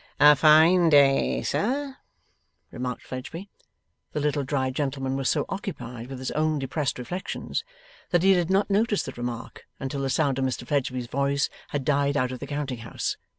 'A fine day, sir,' remarked Fledgeby. The little dried gentleman was so occupied with his own depressed reflections that he did not notice the remark until the sound of Mr Fledgeby's voice had died out of the counting house.